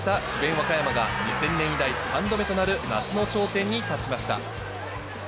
和歌山が、２０００年以来３度目となる夏の頂点に立ちました。